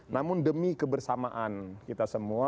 namun demi kebersamaan kita semua